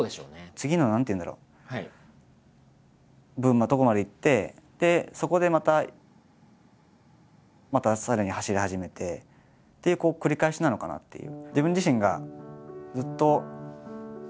次の何ていうんだろうとこまでいってそこでまたまたさらに走り始めてっていう繰り返しなのかなっていう。